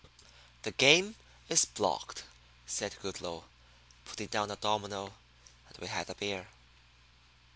"The game is blocked," said Goodloe, putting down a domino; and we had the beer.